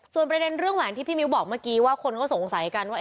ส่วนประเด็นเรื่องแหวนที่พี่มิ้วบอกเมื่อกี้ว่าคนเขาสงสัยกันว่า